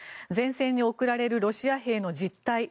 前線に送られるロシア兵の実態。